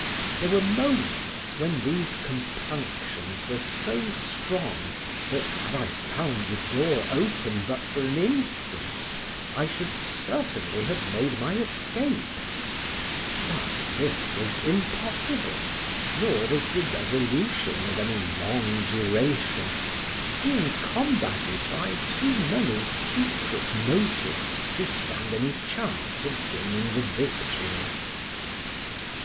There were moments when these compunctions were so strong that had I found the door open but for an instant, I should certainly have made my escape; but this was impossible, nor was the resolution of any long duration, being combated by too many secret motives to stand any chance of gaining the victory.